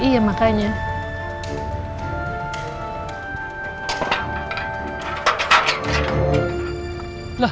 ya ampun din